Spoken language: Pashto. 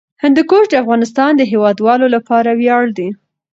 هندوکش د افغانستان د هیوادوالو لپاره ویاړ دی.